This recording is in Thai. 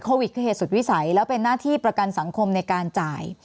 โควิดคือเหตุสุดวิสัยแล้วเป็นหน้าที่ประกันสังคมในการจ่าย